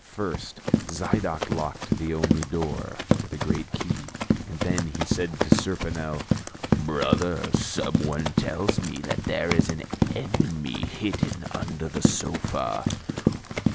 First, Zidoc locked the only door with a great key and then he said to Serponel, "Brother, someone tells me that there is an enemy hidden under the sofa."